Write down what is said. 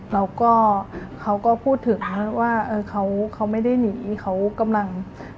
แล้วก็เขาก็พูดถึงว่าเขาไม่ได้หนีเขากำลัง